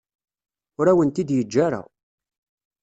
Ur awen-t-id-yeǧǧa ara.